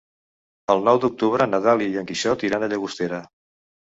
El nou d'octubre na Dàlia i en Quixot iran a Llagostera.